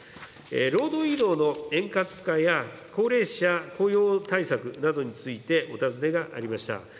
労働移動の円滑化や高齢者雇用対策などについてお尋ねがありました。